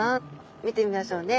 見てみましょうね！